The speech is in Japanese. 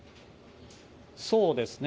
そうですね。